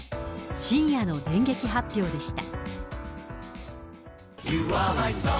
深夜の電撃発表でした。